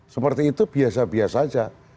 seperti itu biasa biasa saja